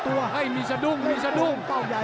ติดตามยังน้อยกว่า